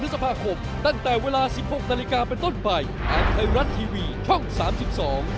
สวัสดีครับ